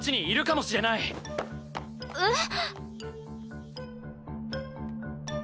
えっ！？